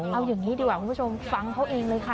เอาอย่างนี้ดีกว่าคุณผู้ชมฟังเขาเองเลยค่ะ